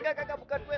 gak gak gak bukan gue